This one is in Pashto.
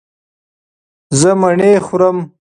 زه مڼې خورم